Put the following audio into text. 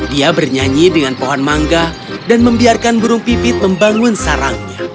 dia bernyanyi dengan pohon mangga dan membiarkan burung pipit membangun sarangnya